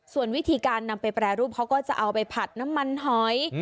ส่วนวิธีการนำไปแปรรูปเขาก็จะเอาไปผัดน้ำมันหอย